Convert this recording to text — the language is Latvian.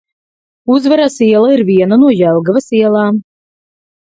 Uzvaras iela ir viena no Jelgavas ielām.